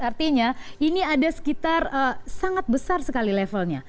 artinya ini ada sekitar sangat besar sekali levelnya